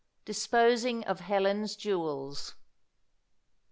DISPOSING OF HELEN'S JEWELS.